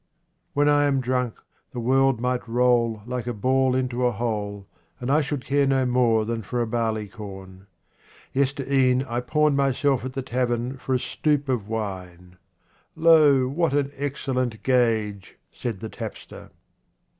When I am drunk the world might roll like a ball into a hole, and I should care no more than for a barleycorn. Yestere'en I pawned myself at the tavern for a stoup of wine. " Lo, what an excellent gage !" said the tapster.